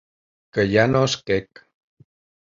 Que ja no és quec.